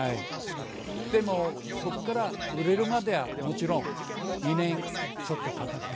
でもそこから売れるまではもちろん２年ちょっとかかってるんです。